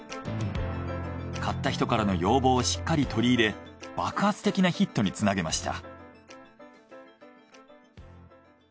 買った人からの要望をしっかり取り入れ爆発的なヒットにつなげました。